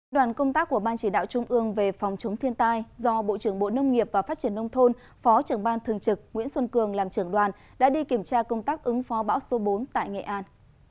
đoàn công tác của ban chỉ đạo trung ương về phòng chống thiên tai do bộ trưởng bộ nông nghiệp và phát triển nông thôn phó trưởng ban thường trực nguyễn xuân cường làm trưởng đoàn đã đi kiểm tra công tác ứng phó bão số bốn tại nghệ an